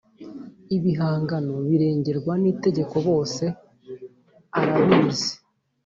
ibihangano birengerwa n itegeko bose abarabizi